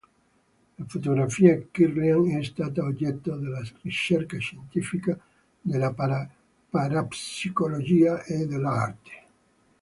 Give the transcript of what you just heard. La fotografia Kirlian è stata oggetto della ricerca scientifica, della parapsicologia e dell'arte.